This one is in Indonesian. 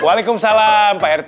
waalaikumsalam pak rt